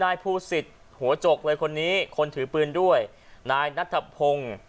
นายภูสิตหัวจกเลยคนนี้คนถือปืนด้วยนายนัทพงศ์